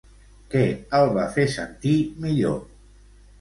Què el va fer sentir millor?